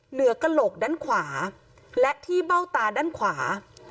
เหนือกระโหลกด้านขวาและที่เบ้าตาด้านขวา